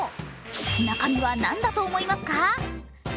中身は何だと思いますか？